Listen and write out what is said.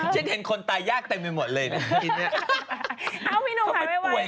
ชิดเห็นคนตายหยากตัดไปหมดเลย